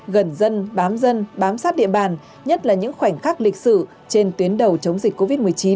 gần dân bám dân bám sát địa bàn nhất là những khoảnh khắc lịch sử trên tuyến đầu chống dịch covid một mươi chín